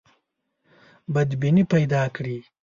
بدبیني پیدا کړي.